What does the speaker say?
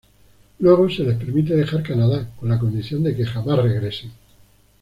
Luego se les permite dejar Canadá, con la condición de que jamás regresen.